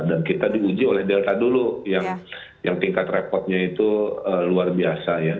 dan kita diuji oleh delta dulu yang tingkat repotnya itu luar biasa ya